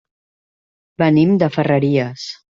Venim de Ferreries.